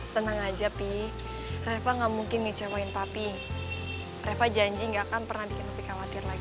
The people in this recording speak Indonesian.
tenang aja pi reva gak mungkin ngecewain papi reva janji gak akan pernah bikin pi khawatir lagi